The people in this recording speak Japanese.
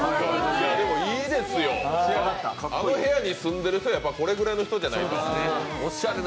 でもいいですよ、あの部屋に住んでいる人は、やはりこれぐらいの人じゃないと。